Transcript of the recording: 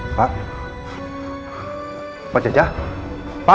kebenaran yang sesungguhnya